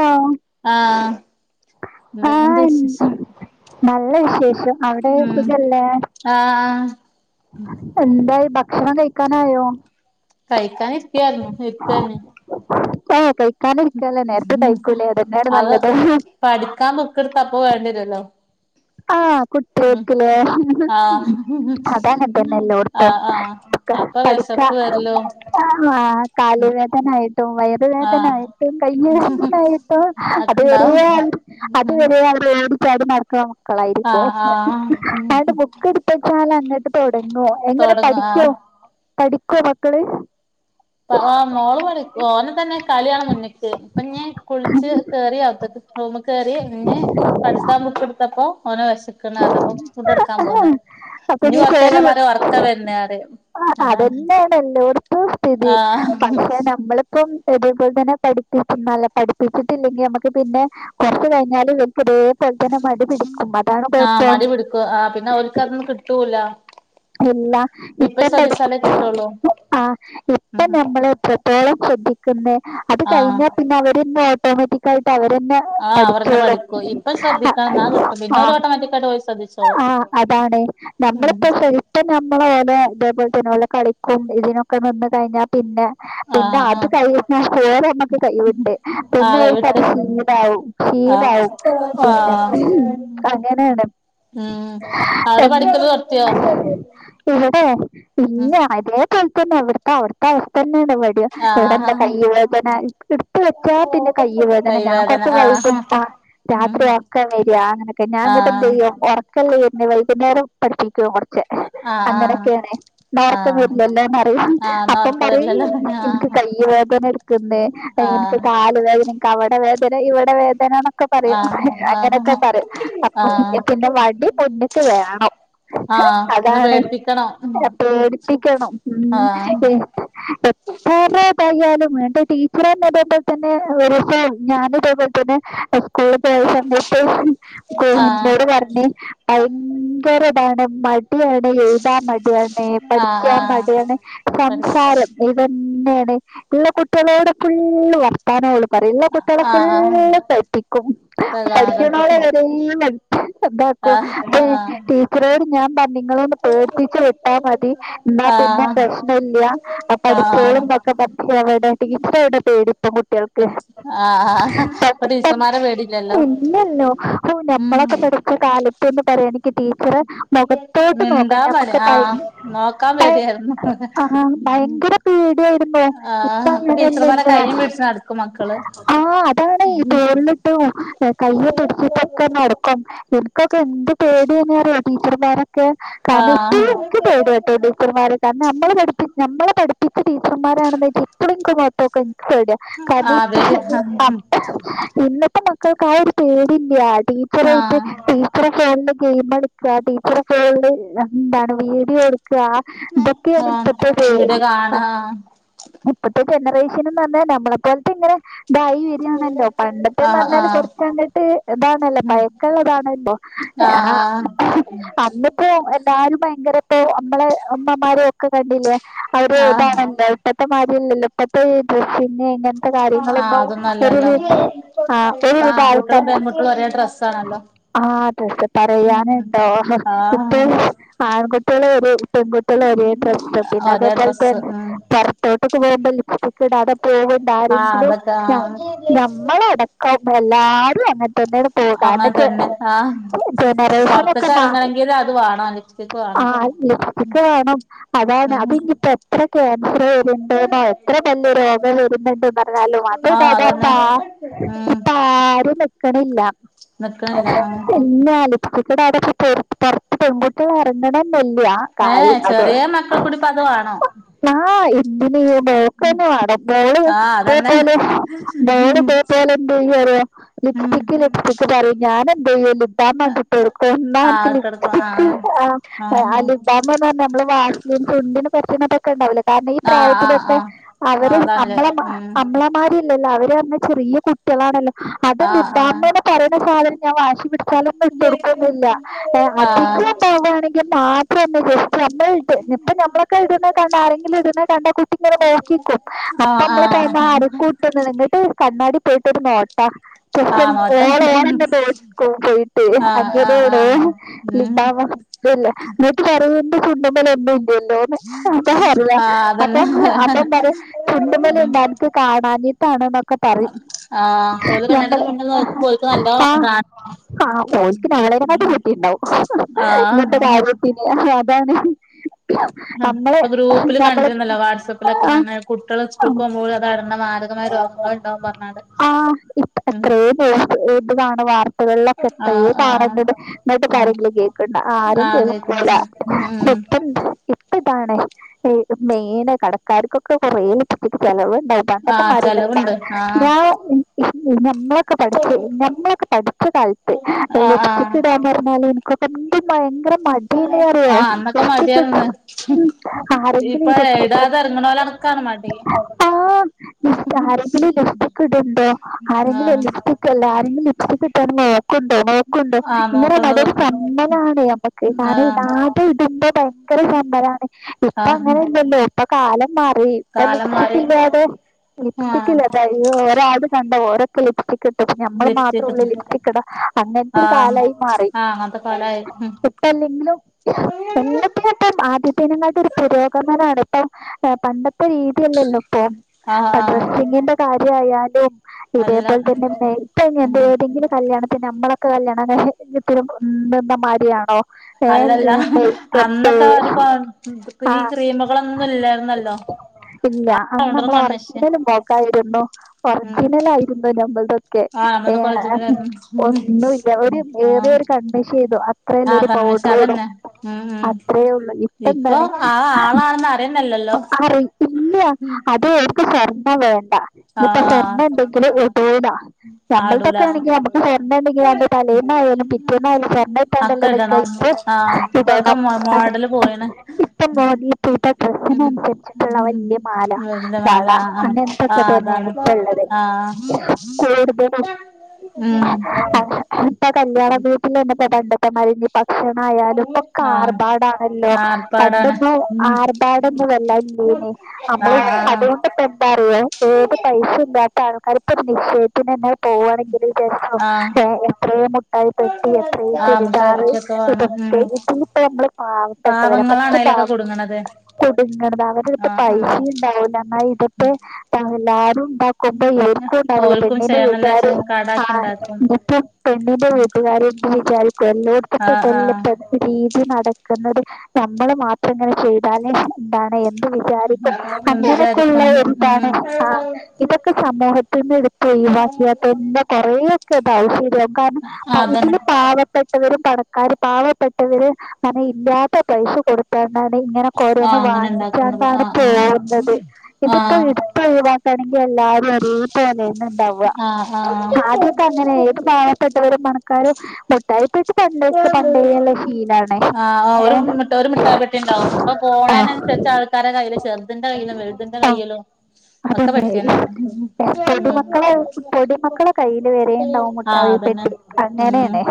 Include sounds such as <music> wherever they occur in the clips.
Hello ആഹ് എന്തൊക്കെ ഉണ്ട് എന്ത്- വിശേഷം നല്ല വിശേഷം അവിടെ ഉം സുഖല്ലേ ആഹ് എന്തായി ഭക്ഷണം കഴിക്കാനായോ? കഴിക്കാൻ ഇരിക്കാരുന്നു ഇരിക്കാണ് ആ ഓ കഴിക്കാനും ഇരിക്കല്ലെ നേരത്തെ ഉം കഴിക്കൂലേ അത്‌ തന്നെ യാണ് അത് നല്ലത് പഠിക്കാൻ ബുക്ക്‌ എടുത്താൽ അപ്പൊ വേണ്ടി വരുമല്ലോ. ആഹ് കുട്ടികൾക്ക് ലെ ഹ് ആഹ് അത് അങ്ങനെ തന്നെ എല്ലോടത്തും ആഹ് ആഹ് അപ്പൊ കിടക്ക വെശപ്പ് വരല്ലോ ഉം കാലുവേദന ആയിട്ടും വയർ വേദന ആഹ് ആയിട്ടും വേദനായിട്ടും കൈ വേദനായിട്ടുംഅത്‌ അക്കെണ്ടാവും വരെ അത്‌ വരെ പേടി ചാടി മറകാ മക്കളായിരിക്കും ആഹ് ആഹ് എന്നട്ട് ബുക്ക് എടുത്തുവെച്ചാല് അങ്ങട്ട് തൊടങ്ങും എങ്ങനെ തൊടങ്ങും പഠിക്കും ആഹ് പഠിക്കോ മക്കള് പ വാ മോള് പറയും ഓൻ ഇതന്നെ കളിയാണ് മുന്നക്ക് ഇപ്പൊന്നെ കുളിിച്ചച്ച് കേറ ആവത്ത് റൂമ കറി ഇ പഠിക്കാൻ ബുക്ക് എടുത്തപ്പോ ഓന് വിശക്കണ്ന്നറഞ്ഞു അപ്പം ഫുഡ് എടുക്കാൻ പോകുന്ന് അപ്പൊ ഞ്ഞി ഇനി ചോറ് കൊറച്ചായിഞ്ഞ വെ- പറിം ഒർക്കം വരണു പരിം ആ, അതാണ് അതന്നെയാണ് എല്ലോടത്തും സ്ഥിതി ആഹ് പക്ഷെ നമ്മള് ഇപ്പം അതേപോലെ തന്നെ പഠിപ്പല്ല പഠിപ്പിച്ചിട്ടില്ലെങ്കിൽ നമ്മുക്ക് പിന്നെ കുറച്ച് കഴിഞ്ഞാൽ ഇവർക്ക് ഇതേപോലെ തന്നെ മടി പിടിക്കും അതാണ് ആഹ് കുഴപ്പം. മടി പിടിക്കും ആ പിന്നെ ഓല്ക്കതൊന്നും കിട്ടൂല്ല ഇല്ല ഇപ്പോ പഠി ആ ഇപ്പം ഉം നമ്മള് എത്രത്തോളം ശ്രദ്ധിക്കുന്ന് അത് ആഹ് കഴിഞ്ഞ പിന്നെ അവരെന്നെ ഓട്ടോമാറ്റിക് ആയിട്ട് അവരന്നെ ആഹ് അവരെന്നെ പഠിക്കും ഇപ്പം ശ്രദ്ധിക്കണം ഇന്നാ കിട്ടും പിന്നെ <unintelligible> ഓല് ഓട്ടോമാറ്റിക്കായിട്ട് ഓല് ശ്രദ്ധിച്ചോളും ആ ആ അതാണ് ഉം നമ്മളിപ്പോ ശരിക്കും നമ്മളെ ഓനോ ഇതേപോലെ തന്നെ ഓല് കളിക്കും ഇതിനൊക്കെ നിന്ന് കഴിഞ്ഞാൽ പിന്നെ പിന്നെ ആഹ് അത് ആഹ് <unintelligible> നമ്മുക്ക് കൈവിട്ട് പിന്നെ ആഹ് അവർക്ക് കൈവിട്ട് ശീലാവും ആഹ് സീനാവും പിന്നെ ആഹ് അങ്ങനേണ് ഉം അവിടെ പഠിക്കല് തൊഡ്ത്തിയോ ഇവിടെ അതേപോലെ തന്നെ അവിടുത്തെ അവിടുത്തെ അവസ്ഥ തന്നെയാണ് ആഹ് വിടെന്താ കൈ്യ വേദന എടുത്ത് വെച്ചാ പിന്നെ കൈ വേദന ഞാൻ കൈവേദന കൊറച്ച വൈക ആഹ് ആ ഉം രാത്രി ഓർക്കം വരിയാ അങ്ങനെയൊക്കെ ഞാ ആഹ് അങ്ങട്ട്ന്തേയ്യ്യും <unintelligible> വൈകുന്നേരം പഠിപ്പിക്കുവോ കുറച്ച് ആഹ് ആഹ് അങ്ങനക്കേണ് ആഹ് <unintelligible> പറയും ആഹ് ന്നാ അപ്പം ഒർക്ക് പറയും വരില്ലല്ലോ എനിക്ക് ആഹ് പല്ല് വേദന എനിക്ക് കാല് വേദന എനിക്ക് അവിടെ വേദന ഇവിടെ വേദന പറയും ആഹ് ആഹ് ആഹ് അങ്ങനെയൊക്കെ പറയും അപ്പൊ ആഹ് പിന്നെ വടി മുന്ന്ക്ക് വേണം ആഹ് ഒന്ന് അതാണ് പേടിപ്പിക്കണം അപ്പേടുപ്പിക്കണം ഉം ആഹ് <unintelligible> ലും എന്റെ ടീച്ചർ <unintelligible> സ്കൂൾ പോയ സമയത്ത് ആഹ് <inaudible> ഭയങ്കര ഇതാണ് മടി എഴുതാൻ മുടിയാണ് ആഹ് പഠിക്കാൻ ആഹ് മടിയാണ് പഠി സംസാരം ഇതന്നേണ് ള്ള കുട്ട്യാളോട് ഫുള്ള് വർത്താനം ഓള് നല്ല കുട്ടികളെ ആഹ് ആഹ് ഫുള്ള് പിഴപ്പിക്കും പഠിക്കും പ്രകൽപ്പിക്കും <unintelligible> അതാക്കോ ആഹ് ആഹ് ടീച്ചറോട് ഞാൻ പറ ങ്ങളൊന്ന് പേടിപ്പി ച്ച് വിട്ടാ മതി ന്നാ പിന്നെ ആഹ് പ്രശ്നല്ല പഠിച്ചോളും ആഹ് <unintelligible> കുട്ടികൾക്ക് ആഹ് ഇപ്പൊ ടീച്ചർമാരെ പേടില്ലല്ലോ <unintelligible> ഇല്ലല്ലോ ഉം നമ്മളൊക്കെ പടി കാലത്തന്ന് പറയാ എനിക്ക് ടീച്ചറേ മുഖ <unintelligible> മിണ്ടാൻ മടി ആഹ് നോക്കാൻ പേടിയായിരുന്നു പേടിയായിരുന്നോ ഇപ്പ ആഹ് അപ്പൊ ടീച്ചർമാരെ അങ്ങനെയല്ലല്ലോ കയ്യും പിടിച്ച് നടക്കും മക്കള് ആ അതാണ് <inaudible> ഒപ്പം ഇനിക്കൊക്കെ എന്ത് പേടി തന്നെ അറിയോ ടീച്ചർമാരെ കാരണം <inaudible> ആഹ് എനിക്ക് പേടി കേട്ടോ ടീച്ചർമാരെ കാരണം നമ്മള് പഠിപ്പി നമ്മളെ പഠപ്പിച്ചടീച്ചർമാരാണെന്ന് ഇപ്പോളും എനിക്ക് പേടിയാ ആഹ് പേടി <unintelligible> ഇന്നത്തെ മക്കൾക്ക് ആ ഒരു പേടില്ല ടീച്ചർായിട്ട് ആഹ് <unintelligible> ടീച്ചറെ ഫോണിൽ എന്താണ് വീഡിയോ എടുക്കുക ഇതൊക്കെയാണ് ആഹ് ഇപ്പോഴത്തെ വീഡിയോ കാണാ ഇപ്പത്തെ ജനറേഷൻന്ന് പറഞ്ഞാ നമ്മളെ പോലത്തെ ഇങ്ങനെ തൈ വര്യാണല്ലോ പണ്ടത്തെന്ന് ആഹ് പറഞ്ഞാല് ആഹ് കുറച്ച അങ്ങട്ട് ഇതാണല്ലോ ഉം പയക്കള്ളതാണല്ലോ ആഹ് ആഹ ആഹ് ഇന്നിപ്പോ എല്ലാരും ഭയങ്കര ഇപ്പ നമ്മളെ അമ്മമാരും ഒക്കെ കണ്ടില്ലേ അവര് ആഹ് കാണണ്ടേ ഇപ്പോഴത്തെ മാരി അല്ലല്ലോ അല്ല പിന്നെ ഇങ്ങനത്തെ ആഹ് കാര്യങ്ങളൊന്നും അതൊന്നും ഒരു അല്ലല്ലോ ആ ഇപ്പ ഒരുവിധം ആൺകുട്ടികളും ആൾക്കാര പെൺകുട്ടികളും ഒരേ ഡ്രസ്സാണല്ലോ ആ അതെെ ജസ്റ്റ് പറയാണ് ഹ ഇപ്പൊ ആഹ് ആൺകുട്ടികള ഒര പെൺകുട്ടികള ഒരേ ഡ്ര പിന്നെ ഒരേ അതേപോലെ ഡ്രസ്സ് തന്ന ഉം പത്തോട്ട <unintelligible> പോകുമ്പോ ലിപ്സ്റ്റിക് ഇടാതെ പോകണ്ട ആഹ് ആരെങ്കിലും അതൊക്കെ ഞാ ആഹ് നമ്മളാട <unintelligible> എല്ലാവരും അങ്ങന് <unintelligible> കാരണം അങ്ങനെ തന്നെ ആഹ് ജനറേഷൻ ഒക്കെ പൊറത്ത്ക്ക് മാ എറങ്ങണെങ്കില് അത് വാണച്ചു ആ ലിപ്സ്റ്റിക്ക് വേണം അതാണ് ഉം അതി ഇനിയിപ്പോ എത്ര ക്യാൻസർ വരേണ്ട എത്ര വല്യ രോഗം വരുന്നുണ്ട് പറഞ്ഞാലോ ആഹ് അതിടാതെ ഇപ്പ അതന്നെ ഉം ഇപ്പാരും <unintelligible> കടില്ല നിക്കളല്ല ആ പിന്നെ <inaudible> പെൺകുട്ടികൾ എറങ്ങണെന്നില്ല. ഏഹ ചെറിയ മക്കൾക്കൂടിപ്പ അതുവാണോ ആഹ എന്തിന നോക്കന്ന അടമ്പോള് ആഹ് <inaudible> അതന്നെ ഉം ഉം ലിപ്സ്റ്റിക് ലിപ്സ്റ്റി <unintelligible> ഞാൻ <unintelligible> വേണ്ടിട്ട് <unintelligible> ആഹ് ഇട്ടൊടുക്കും <unintelligible> ആഹ് ആ ആഹ് ലിപ് ബാംന്ന് പറഞ്ഞ <unintelligible> നമ്മള് വാ ചു ചുണ്ടിന് <unintelligible> ഉണ്ടാവില്ലേ. ഈ ആഹ് ആഹ് പ്രായത്തിലൊക്കെ ആഹ് ആഹ് അവരും അതാണല്ലേ അവര്ളമാ ഉം ക്ക് ഇല്ലല്ലോ അവര് ചെറിയ കുട്ടികളാണല്ലോ അതും ലിപ് ആഹ് ആഹ് ബാംന്ന് പറയുന്ന സാധനം ഞാൻ വാശി പിടി സ്ഥലം വിട്ട് കൊടുക്കൊന്നുല്ല, ഏ അധികം ആഹ് ഇണ്ടവുകയാണെങ്കിൽ മാത്ര <unintelligible> നമ്മള് ഇപ്പൊ ഇപ്പ നമ്മളൊക്കെ ഇടുന്നേ കണ്ട ആരെങ്കിലും ഇടുന്നെ കണ്ട കു ട്ട് ഇങ്ങനെ നോക്കീക്കും അപ്പൊ ആഹ് അമ്മള് ആഹ് പറഞ്ഞാ ആരും കൂ <unintelligible> നിങ്ങട്ട് കണ്ണാടി പോയിട്ടൊരു നോട്ട ക്വസ്ത്യൻ ആഹ് നോട്ടം ഓള് ഓന ഇന്ന് ഇട്ട് ഓടിക്കും പോയിട്ട് ആഹ് ആഹ് അങ്ങനേണ് ആഹ് ലിപ്പ് ഉം ബാമ് <unintelligible> എന്നിട്ട് പറയും എന്റെ ചുണ്ടിന്മേൽ എന്തോ <unintelligible> അതാ പറയാ ആഹ് അതന്നെ അപൊം അപ്പൊം പറയും ചുണ്ടുമേല് ഉം ഇണ്ടാർ ട്ട് കാണാഞ്ഞീട്ടാണ്ന്നൊക്കെ പറയും ആഹ് ഓല് കണ്ണടച്ച് നമ്മള് മുന്നിൽ നോക്കുമ്പോ ഓൽക്ക് നല്ലോം ആഹ് കാണ ആഹ് അപ്പൊ ഓൾക്ക് <unintelligible> കിട്ടി ണ്ടാവും ഇങ്ങത്തെ ആഹ് കാര്യത്തിന് അതാണ് അഹ് നമ്മള് ഇപ്പൊ ഗ്രൂപ്പില് നമ്മള് കണ്ടിരുന്നല്ലോ വാട്സപ്പിലൊക്കെ ആ അങ്ങനെ കുട്ട്യള് സ്കൂൾക്ക് പോകുമ്പോൾ ഓര് അത് കാരണം മാരകമായ രോഗങ്ങള് <unintelligible> പറഞ്ഞാണ്ട് ഉം എത്രേ പേ വീട്ടി കാണണ വാർത്തകളിലൊക്കെ എത്രേ ആഹ് ആഹ് ആഹ് <unintelligible> <unintelligible> കേക്കണ്ട ആരും ആഹ് കേൾക്കൂല കേൾക്കണില്ല ഉം ലിപ്സ്റ്റി ഇപ്പ ഇതാണെ ഏത് മെയിന് കടക്കാർക്കൊക്കെ കൊറേ ലിപ്സ്റ്റിക്ക് ചെലവുണ്ടേ ആഹ് ചെലവുണ്ട് <unintelligible> ആഹ് ഞാ ഉം നമ്മളൊക്കെ പഠിച്ച് ഞമ്മളൊക്കെ പഠിച്ച കാലത്ത് ആഹ് ലിപ്സ്റ്റിക്ക് ആഹ് പറഞ്ഞാല് നിക്ക് മിണ്ട എര <unintelligible> മടീന്ന് പറയോ ആഹ് അന്നൊക്കെ ലിപ്സ്റ്റിക്ക് മടിയാർന്ന് ആരെങ്കിലും ഇപ്പ ഈ ലിപ്സ്റ്റിക്ക് എഴുതാതെ ഇറങ്ങണോലടക്കാണ് മടി ആഹ് ലിപ്സ് ആരെങ്കിലും ലിപ്സ്റ്റിക്ക് ഇടുണ്ടോ ആരെങ്കിലും ആഹ് ലിപ്സ്റ്റി എല്ലാരങ്കിലും ഇപ്പ കിട്ടും നോക്കുണ്ടോ നോ ആഹ് ഇങ്ങനെ നോക്കണ്ട് അതൊരു നോക്കണ്ട് ചമ്മലാണ് നമ്മക്ക് കാരണം ആഹ് ഇടാതെ ഇടുമ്പോ ഭയങ്കര ചമ്മലാണ് ഇപ്പൊ ആഹ് അങ്ങനെ ഇല്ലല്ലോ ഇപ്പൊ കാലം മാറി അ കാലം മാറി ലിഫ്റ്റിക്കില്ല അതൊ ലിഫ്റ്റി ആഹ് ക്കില്ല അതാണ് ഒരാള് കണ്ട ഓരൊക്കെ ലിഫ്റ്റിക്ക് ഇട്ട് ഇനി നമ്മൾ മാത്രമേ ലിഫ്റ്റൊക്കെ ഉള്ളു ഇട്ട് ലിഫ്റ്റിക്കിട അങ്ങനത്തൊരു ആഹ് കാലവും മാറി ആഹ് അങ്ങനത്തെ കാലായി ഉം എന്നല്ലെങ്കിലും <unintelligible> ആദ്യത്തെനെക്കാട്ടിലും പുരോഗമനമാണ് ഇപ്പൊ പണ്ടത്തെ രീതിയല്ലല്ലോ ആഹ് ഇപ്പൊ ആഹ് ഡ്രസ്സിങ്ങിന്റെ കാര്യയാലും. എല്ലാം ഇതേപോലെ തന്നെപ്പ ഉം ഏതെങ്കിലും കല്യാണത്തിന് നമ്മളൊക്കെ ല്ല <unintelligible> മാതിരിയാണോ? അല്ലല്ല ഏഹ് മേക്കപ്പ് അന്നൊക്കെ ഈ ആഹ് ക്രീമ്കളൊന്നും ഇല്ലായിരുന്നല്ലോ ഇല്ല ആ അന്ന് പൗഡറും നമ്മൾ കൺമഷിയും ഒറിജിനൽ മൊഗായിരുന്നു ഉം ഒറിജിനൽ ആയിരൂന്നു നമ്മളുടെ ആഹ് ഏ നമ്മളത് കോളേജിലായിരുന്നു ഒന്നുല്ല ഒരു ഏറിയ ആഹ് ഒരു കണ്മഷി എയ്തും അ അത്രല്ല ആഹ് ഒരു കൺമഷി പൗഡറും ഇടും അതന്നെ ഉം ഉം അത്രയേ ഉള്ളു ഇപ്പൊ ഇപ്പന്താണ്? ആ ആളാണെന്ന് അറിയുന്നല്ലല്ലോ അറിയില്ല അത് അവർക്ക് സ്വർണം വേണ്ട ഇപ്പൊ ആഹ് സ്വർണ്ണം ഉണ്ടെങ്കിൽ ഇടൂല നമ്മൾ ആടൂല ഇതൊക്കെയാണെങ്കിൽ നമുക്ക് സ്വർണ്ണണ്ടെങ്കിൽ തവുമ്പൊ തലേന്നായാലും പിറ്റേന്നായാലും സ്വർണ്ണട്ടാണ്ടല്ലോ അക്ക ഇടണം നിക്കപ്പ ഇടണം മാ പോയാണ് ഉം ഡ്രസ്സിനനുസരിച്ചിട്ടുള്ള ഉം വലിയ മാല വല്യ മാല വള ആഹ് അങ്ങനത്തൊക്കെ ആഹ് അതാണ് തന്നെയാണ് ഇപ്പൊ ഉള്ളത് ആഹ് കൂടുതലും ഉം. ഇപ്പൊ കല്യാണ വീട്ടിലന്നെ <unintelligible> ഭക്ഷണയാലും ഇപ്പൊ ക്കെ ആഹ് ആർഭാടാണല്ലോ ആർപ്പാടാണ് പണ്ടൊന്നും ഉം ആർഭാടൊന്നും വല്ലാദേ ഇല്ലെനി. നമ്മള് ആഹ് അതുകൊണ്ടിപ്പോ എന്താറിയൊ ഏത് പൈസ ഉണ്ടാ ആൾക്കാര് ഇപ്പോ നിശ്ചയത്തിനന്നെ പോവാണെങ്കിൽ ആഹ് <unintelligible> എ എത്രെ മുട്ടായി പെട്ടി എത്രെ ആഹ് മുട്ടായി ചുരിദാറ് പെട്ടിയൊക്കെ വേണം ഉം ഇതൊക്കെ ഇതിപ്പോ നമ്മ ആപാവപ്പെട്ടവര് പാവങ്ങളാണ് പച്ചപാവ അയിലൊക്കെ കുടുങ്ങണത് കുടുങ്ങുണത് അവരെ അടുത്ത് ആഹ് ആഹ് പൈസിം ഇണ്ടാവൂല എന്നാൽ ഇതറ്റെ എല്ലാരും ണ്ടാ <unintelligible> ഓൽക്കും പെണ്ണിന്റെ വീട്ടുകാർ ചെയ്യണല്ലാച്ച കടാക്കി ആഹ് ഇണ്ടാക്കും പെണ്ണിന്റെ വീട്ടുകാര് <inaudible> വിചാരിക്കും എല്ലോടത്തിപ്പൊ ആഹ് ഇതന്നെ രീതി നടക്കുന്നത് നമ്മള് മാത്രം ഇങ്ങനെ ചെയ്താലേ ന്താണ്- എന്ത് വിചാരിക്കും ആഹ് എന്ത് അങ്ങനൊക്കെള്ള വിചാരിക്കും ഒരു ഉം ഇതാണ് ആഹ് ഇന്നത്തെ സമൂഹത്തിൽ നിന്ന് ഇതൊക്ക ഒഴിവാക്കിയാ തന്നെ കൊറെേയൊക്കെ <inaudible> ശരിയാവും കാരണം അതന്നെ ഇതിലെ പാവതെ വര് പണക്കാര് പാവപ്പെട്ടവര് ഇല്ലാത്ത പൈസ കൊടു <inaudible> ഇങ്ങനെ ഒക്കെ ഓരോന്ന് ആഹ് അങ്ങനെ ഇണ്ടാക്കുന്നത് വാങ്ങിചാണ്ടാണ് ആഹ് ആഹ് പോകുന്നത് ഇതിപ്പോ ഇ <unintelligible> <unintelligible> ഇണ്ടാവാ ആഹ് ആഹ് ആദ്യൊക്കെ അങ്ങനെ ഏത് മ <unintelligible> പണക്കാരും മുട്ടായി ക്ക് പണ്ടക്കെ പണ്ടേള്ള ശീലാണ് ആഹ് ഏഹ്- ഫോണിന് അനുസരിച്ച് ആൾക്കാരെ കയ്യിലും ചെറുതിന്റെ കൈയിലും വലുതിന്റെ ആ കൈയിലും ഒക്കെ അതന്നെ പഠിച്ച ന് ഏ, പൊടിമക്കളെ പൊടിമക്കളെ കയ്യിൽ വരെ ഉം ഉണ്ടാവും ആഹ് മുട്ടായി തന്നെ പെട്ടി ഉം അങ്ങനെയാണ്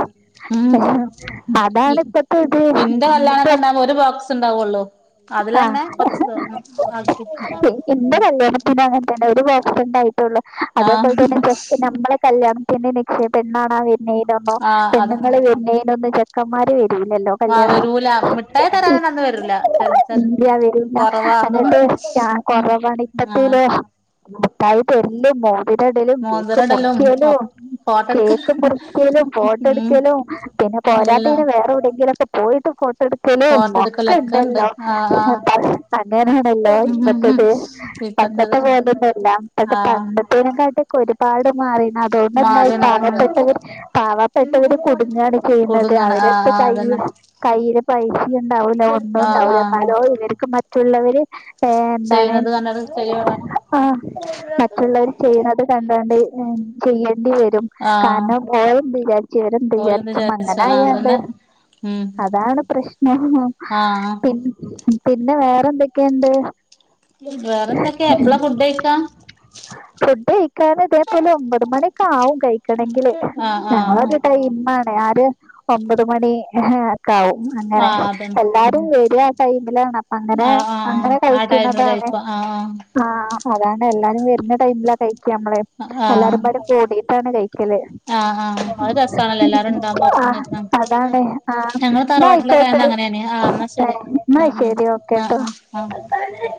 ഉം അതാണ് ഇപ്പത്തെ ഇത് ഇന്റെ കല്യാണക്കെ ഇപ്പൊ ഉണ്ടാവുമ്പോ ഒരു ബോക്സ് ഉണ്ടാവോള്ളോ അതിലന്നെ ആഹ് കൊർച്ച് ത്ഉം എന്റെ കല്യാണത്തിന് <unintelligible> അങ്ങനെ ഒരു <unintelligible> അതേപോലെ ആഹ് തന്നെ നമ്മളെ കല്യാണത്തിന്റെ നിക്ഷേപം എന്നാണ് ആ <unintelligible> ആഹ് അതാ പെണ്ണുങ്ങള് വര്നെനൊന്നും ചെക്കന്മാര് വരൂല്ലല്ലോ? ആഹ് വരൂല മിഠായി തരാനന്നെ അന്ന് വരൂല്ല. ഇല്ല്യ വരൂല അന്നത്തെ ആഹ് ഉം കുറവാണ് ആഹ് ഇപ്പത്തെ- മുട്ടായി തര്ല് മോതിരടല് കേക്ക് മോതിരം ഇടലും മുർക്കിയലും ഫോട്ടോ എടുക്കൽ കേക്ക് മുറി ഫോട്ടോ ഉം എടുക്കലും പിന്നെ എല്ലാം പോരാത്തെന് വേറെ എവിടെങ്കിലൊക്കെ പോയിട്ട് ഫോ ഫോട്ടോ എടുക്കലൊക്കെ ഉണ്ട് കൊടുക്കലുംമൊക്കണ്ടല്ലോ ആഹ് ആഹ് അങ്ങനെണല്ലോ ഉം ഉം ഉം ഇപ്പത്തത് ഇപ്പത്തത് പണ്ടത്തെ പോലൊന്നുല്ല ഇപ്പത്തെ ആഹ് പണ്ടേ <unintelligible> ഒരുപാട് മാറി അതോണ്ട് എന്തായി മാറിണ് ഉം പാവപ്പെട്ടവര് പാവപ്പെട്ടവര് കുടുങ്ങാണ് ചെയ്യുന്നത് കുടുങ്ങണ് ആഹ് അവരട്ത്ത് ആഹ് കൈ അതന്നെ കയ്യില് പൈസ ഉണ്ടാവൂല ഒന്നും ആഹ് ഉണ്ടാവൂല ആഹ് ഇവർക്ക് മറ്റുള്ളവര് ഏഹ് എന്താണ് ചെയ്യണത് കണ്ടത് ചെയ്യ ആഹ് മറ്റുള്ളവർ ചെയ്യുന്നത് കണ്ടാണ്ട് ചെയ്യേണ്ടി വരും ആഹ് കാരണം ഓരും വിചാരിച്ചു രും ഓലെന്ത് വിചാരിച്ചും വിചാരിച്ചു അങ്ങനെ ആഹ് ആയണ്ട് അതന്നെ ഉം അതാണ് പ്രശ്നം ആഹ് <unintelligible> പിന്നെ വേറെ എന്തൊക്കെയുണ്ട് വേറെ എന്തൊക്കെയാ എപ്പളാ ഫുഡ് കഴക്കാ ഫുഡ് കഴിക്കാനൻ ഇതേപോലെ ഒമ്പത് മണിയക്കെ ആകും കഴിക്കണെങ്കില് ആഹ് ആഹ് ഞങ്ങളൊരു ടൈം ആണ് ആര് ഒമ്പത് മണി <unintelligible> ക്കാവും അങ്ങെനെ ആഹ് അതന്നെ എല്ലാരും കേക്ക് ആടൈമിലാണ് അപ്പ അങ്ങനെ ആഹ് ആഹ് അങ്ങനെ ആ ടൈമില് കഴിക്കുന്നതാണ് കഴിക്കും ആഹ് ആഹ അതാണ് എല്ലാരും വരുന്ന ടൈമിലാ കഴിക്ക നമ്മളെ ആഹ് എല്ലാരും ആഹ് കുടിട്ടാണ് കഴിക്കല് ആഹ് ആഹ് അത് രസാണല്ലോ എല്ലാരും ഉണ്ടാവുമ്പോ ആ ഒപ്പം കഴിക്കാൻ അതാണ് ആഹ് ഞങ്ങള് തറവാട്ടിലൊക്കെ എന്നയിക്കോട്ടെ ആയന്ന് അങ്ങനെയാണ് ആഹ് എന്നാ ശരി എന്ന ഉം ഉം ശരി ആഹ് ഓക്കെട്ടോ ആഹ് ആഹ് <unintelligible>